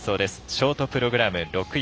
ショートプログラム６位。